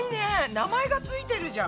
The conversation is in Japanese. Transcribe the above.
名前が付いてるじゃん！